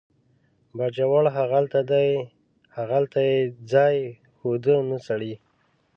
باجوړ هغلته دی، هغلته یې ځای ښوده، نه سړی.